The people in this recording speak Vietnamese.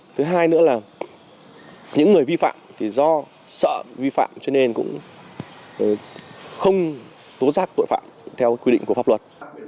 thứ hai nữa là những người vi phạm thì do sợ vi phạm cho nên cũng không tố giác tội phạm theo quy định của pháp luật